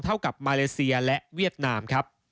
เท่ากับมาเลเซียและเวียดนามครับ